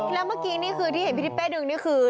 แล้วเมื่อกี้นี่คือที่เห็นพี่ทิเป้ดึงนี่คือ